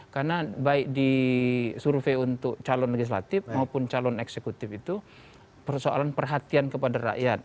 karena baik disurvey untuk calon legislatif maupun calon eksekutif itu persoalan perhatian kepada rakyat